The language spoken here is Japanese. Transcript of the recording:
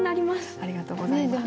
ありがとうございます。